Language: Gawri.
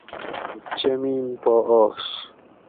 چمین پا آش